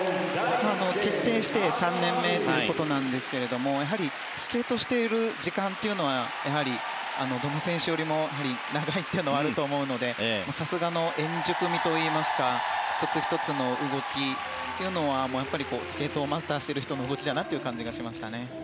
結成して３年目ということなんですがやはりスケートしている時間というのはどの選手よりも長いというのはあると思うのでさすがの円熟味といいますか１つ１つの動きというのはスケートをマスターしている人の動きだなという感じがしました。